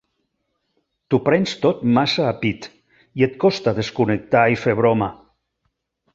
T’ho prens tot massa a pit i et costa desconnectar i fer broma.